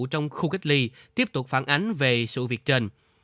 trong khu cách ly tiếp tục phản ánh về sự việc trên